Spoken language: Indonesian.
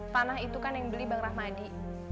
tanah itu kan yang beli bang rahmadi